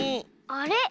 あれ？